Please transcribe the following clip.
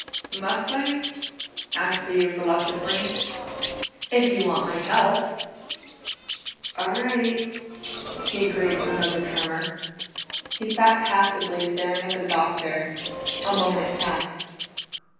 "Must I?" asked the youth reluctantly. "If you want my help." "All right," he agreed with another tremor. He sat passively staring at the Doctor; a moment passed.